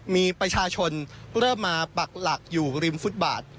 มีประชาชนเริ่มมาปักหลักอยู่ริมฟุตบาท